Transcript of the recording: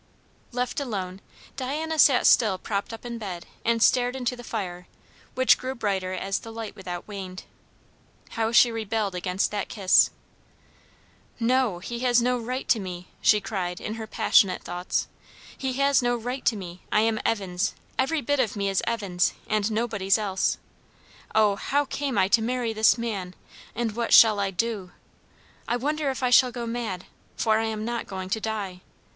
Left alone, Diana sat still propped up in bed and stared into the fire, which grew brighter as the light without waned. How she rebelled against that kiss! "No, he has no right to me!" she cried in her passionate thoughts; "he has no right to me! I am Evan's; every bit of me is Evan's, and nobody's else. O, how came I to marry this man? and what shall I do? I wonder if I shall go mad? for I am not going to die.